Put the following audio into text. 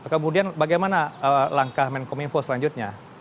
kemudian bagaimana langkah menkom info selanjutnya